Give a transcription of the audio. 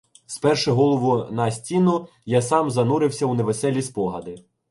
Сперши голову на стіну, я сам занурився в невеселі спогади.